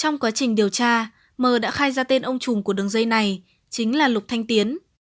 trong quá trình điều tra mờ đã khai ra tên ông trùng của đường dây này chính là lục thanh tiến